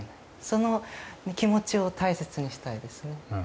その気持ちを大切にしたいですね。